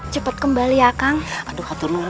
biar sekalian aku habisi kau